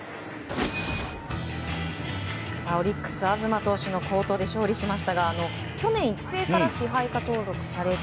オリックス東投手の好投で勝利しましたが去年、育成から支配下登録されて